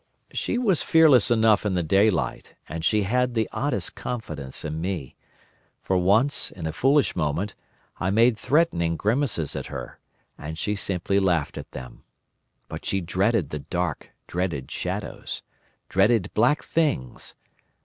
She was fearless enough in the daylight, and she had the oddest confidence in me; for once, in a foolish moment, I made threatening grimaces at her, and she simply laughed at them. But she dreaded the dark, dreaded shadows, dreaded black things.